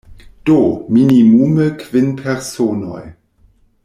Do, minimume kvin personoj.